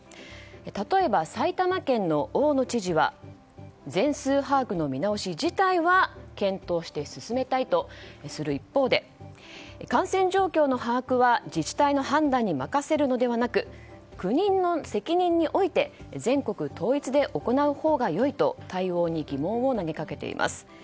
例えば、埼玉県の大野知事は全数把握の見直し自体は検討して進めたいとする一方で感染状況の把握は自治体の判断に任せるのではなく国の責任において全国統一で行うほうが良いと対応に疑問を投げかけています。